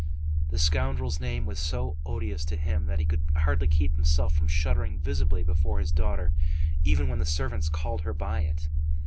The scoundrel's name was so odious to him that he could hardly keep himself from shuddering visibly before his daughter even when the servants called her by it.